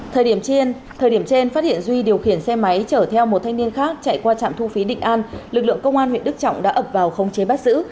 thời điểm trên phát hiện duy điều khiển xe máy chở theo một thanh niên khác chạy qua trạm thu phí định an lực lượng công an huyện đức trọng đã ập vào không chế bắt giữ